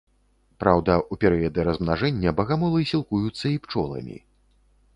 Праўда, у перыяды размнажэння багамолы сілкуюцца і пчоламі.